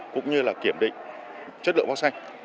cũng như là kiểm định chất lượng vắc xanh